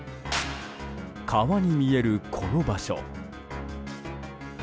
川に見える、この場所。